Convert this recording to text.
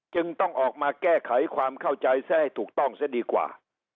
จึงต้องออกมาแก้ไขความเข้าใจซะให้ถูกต้องเสียดีกว่า